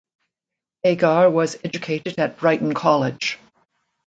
Agar was educated at Brighton College.